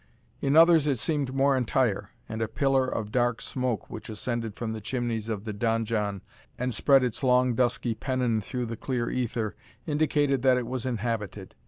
In others it seemed more entire, and a pillar of dark smoke, which ascended from the chimneys of the donjon, and spread its long dusky pennon through the clear ether, indicated that it was inhabited.